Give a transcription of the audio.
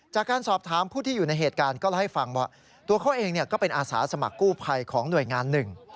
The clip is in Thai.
จากการสอบถามผู้ที่อยู่ในเหตุการณ์ก็เล่าให้ฟังว่าตัวเขาเองก็เป็นอาสาสมัครกู้ภัยของหน่วยงานหนึ่ง